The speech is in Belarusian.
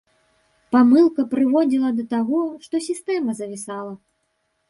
Памылка прыводзіла да таго, што сістэма завісала.